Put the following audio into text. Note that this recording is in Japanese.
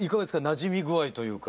なじみ具合というか。